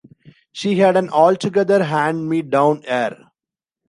She had an altogether hand-me-down air.